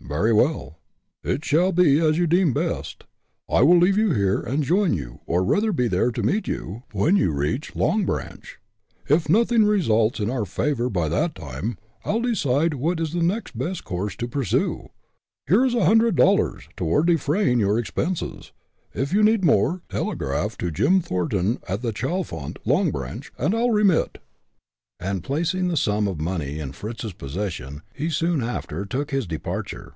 "Very well. It shall be as you deem best. I will leave you here and join you, or rather be there to meet you, when you reach Long Branch. If nothing results in our favor by that time I'll decide what is the next best course to pursue. Here is a hundred dollars, toward defraying your expenses. If you need more, telegraph to Jim Thornton at the Chalfonte, Long Branch, and I'll remit." And placing the sum of money in Fritz's possession, he soon after took his departure.